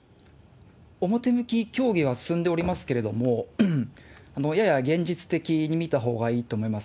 表向き協議は進んでおりますけれども、やや現実的に見たほうがいいと思います。